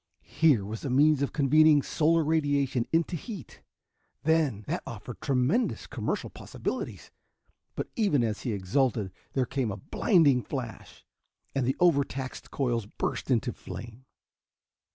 Here was a means of convening solar radiation into heat, then, that offered tremendous commercial possibilities! But even as he exulted, there came a blinding flash and the overtaxed coils burst into flame.